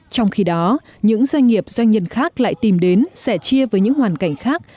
trong khi đó những doanh nghiệp doanh nhân khác lại tìm đến sẻ chia với những hoàn cảnh khác